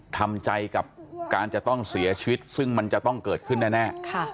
ทำใจกับการจะต้องเสียชีวิตซึ่งมันจะต้องเกิดขึ้นแน่